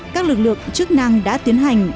các lực lượng chức năng đã tiến hành lập biên bản